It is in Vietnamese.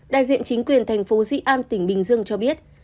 đại diện chính quyền thành phố di an tỉnh bình dương cho biết